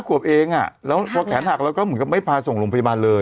๕ขวบเองแล้วพอแขนหักเราก็ไม่พาส่งลงพยาบาลเลย